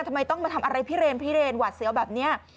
ทำไมต้องมาทำอะไรพิเรนพิเรนหวัดเสียวแบบนี้